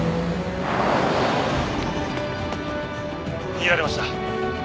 逃げられました。